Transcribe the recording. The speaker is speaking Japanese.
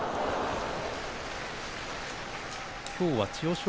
きょうは千代翔